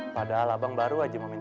padahal abang baru aja mau mencari saya